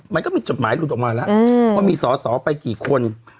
มันก็มีจดหมายหลุดออกมาแล้วว่ามีสอสอไปกี่คน